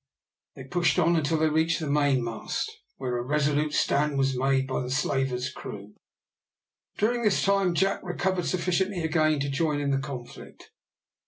They pushed on till they reached the mainmast, where a resolute stand was made by the slaver's crew. During this time Jack recovered sufficiently again to join in the conflict.